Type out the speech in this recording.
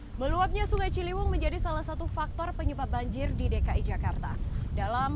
hai meluapnya sungai ciliwung menjadi salah satu faktor penyebab banjir di dki jakarta dalam